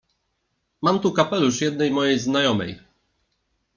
— Mam tu kapelusz jednej mojej znajomej.